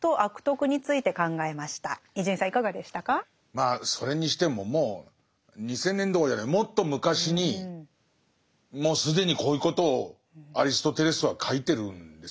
まあそれにしてももう２，０００年どころじゃないもっと昔にもう既にこういうことをアリストテレスは書いてるんですね。